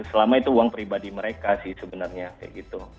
selama itu uang pribadi mereka sih sebenarnya kayak gitu